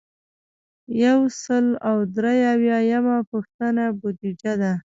یو سل او درې اویایمه پوښتنه بودیجه ده.